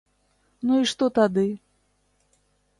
Ну і што тады?